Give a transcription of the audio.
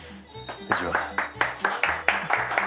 こんにちは。